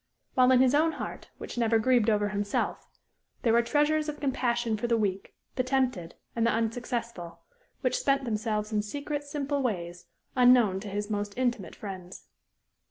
While in his own heart, which never grieved over himself, there were treasures of compassion for the weak, the tempted, and the unsuccessful, which spent themselves in secret, simple ways, unknown to his most intimate friends.